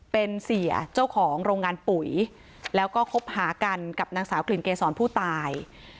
เป็นเสียเจ้าของโรงงานปุ๋ยแล้วก็คบหากันกับนางสาวกลิ่นเกษรผู้ตาย